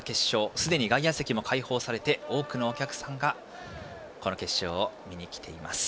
すでに外野席も解放されて多くのお客さんがこの決勝を見に来ています。